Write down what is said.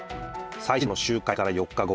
再始動の集会から４日後。